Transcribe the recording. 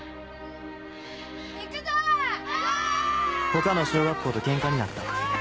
他の小学校とケンカになった。